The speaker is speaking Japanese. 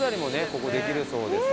ここできるそうです。